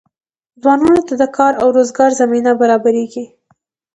ځوانانو ته د کار او روزګار زمینه برابریږي.